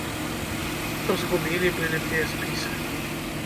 То згубілі былі тыя спісы.